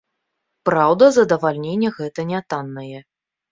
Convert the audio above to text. Праўда, задавальненне гэта нятаннае.